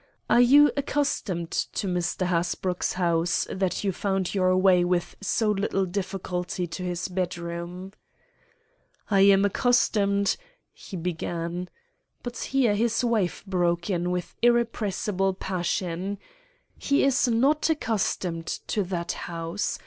Are you accustomed to Mr. Hasbrouck's house, that you found your way with so little difficulty to his bedroom?" "I am accustomed——" he began. But here his wife broke in with irrepressible passion: "He is not accustomed to that house.